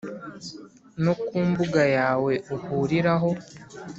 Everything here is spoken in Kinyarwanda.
No ku mbuga yawe uhuriraho